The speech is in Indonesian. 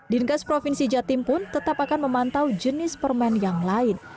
dinas kesehatan provinsi jawa timur pun tetap akan memantau jenis permen yang lain